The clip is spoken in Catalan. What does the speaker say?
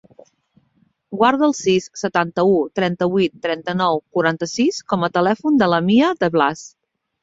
Guarda el sis, setanta-u, trenta-vuit, trenta-nou, quaranta-sis com a telèfon de la Mia De Blas.